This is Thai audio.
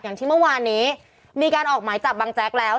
อย่างที่เมื่อวานนี้มีการออกหมายจับบังแจ๊กแล้ว